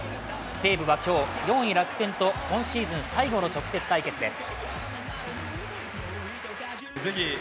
西武は今日、４位楽天と今シーズン最後の直接対決です。